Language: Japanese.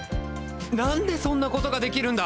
何でそんなことができるんだ